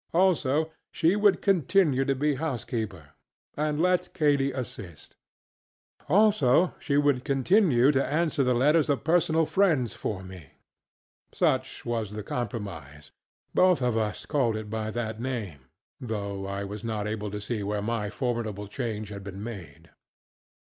Also, she would continue to be housekeeper, and let Katy assist. Also, she would continue to answer the letters of personal friends for me. Such was the compromise. Both of us called it by that name, though I was not able to see where any formidable change had been made.